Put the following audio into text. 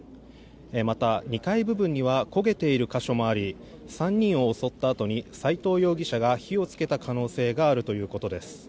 また２階部分には焦げている箇所もあり３人を襲ったあとに斎藤容疑者が火をつけた可能性があるということです。